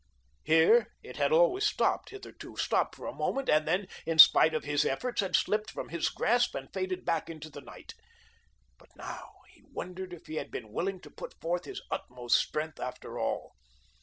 Here it had always stopped hitherto, stopped for a moment, and then, in spite of his efforts, had slipped from his grasp and faded back into the night. But now he wondered if he had been willing to put forth his utmost strength, after all.